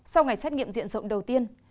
sau ngày xét nghiệm diện rộng đầu tiên